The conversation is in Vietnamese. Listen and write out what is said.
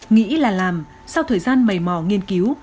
nghĩ là làm sau thời gian mầy mò nghiên cứu